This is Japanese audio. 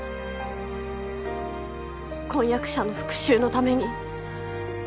婚約者の復讐のために。